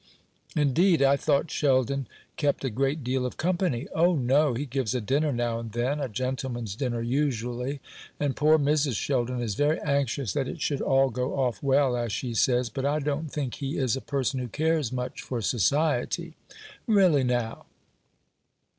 "Indeed! I thought Sheldon kept a great deal of company." "O no. He gives a dinner now and then, a gentleman's dinner usually; and poor Mrs. Sheldon is very anxious that it should all go off well, as she says; but I don't think he is a person who cares much for society." "Really, now?"